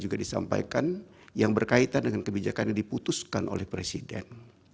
juga disampaikan yang berkaitan dengan kebijakan yang diputuskan oleh presiden